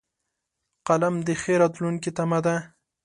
قلم د ښې راتلونکې تمه ده